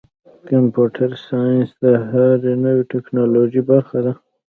کمپیوټر ساینس د هرې نوې ټکنالوژۍ برخه ده.